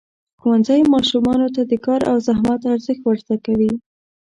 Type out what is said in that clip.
ښوونځی ماشومانو ته د کار او زحمت ارزښت ورزده کوي.